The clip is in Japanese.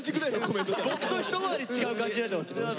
僕と一回り違う感じになってます。